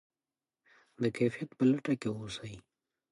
د کیفیت په لټه کې اوسئ.